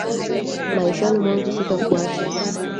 Maishani mwangu sitakuacha.